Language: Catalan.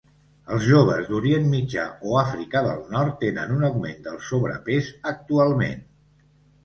Els joves d"Orient Mitjà o Àfrica del Nord tenen un augment del sobrepès actualment.